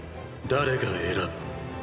誰が選ぶ？